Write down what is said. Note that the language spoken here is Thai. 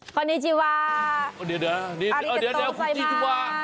คอริจิวาอริจิวา